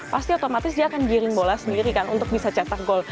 pasti otomatis dia akan giring bola sendiri kan untuk bisa cetak gol